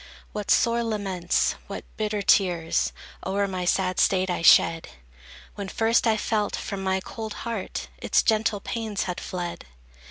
What sore laments, what bitter tears O'er my sad state I shed, When first I felt from my cold heart Its gentle pains had fled!